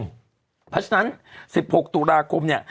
เพราะฉะนั้น๑๖ตุลาคมเนี่ย